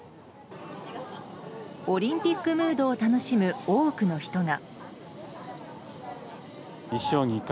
オリンピックムードを楽しむ多くの人が。